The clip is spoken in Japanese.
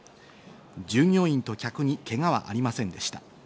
従業員と客にけがはありませんでした。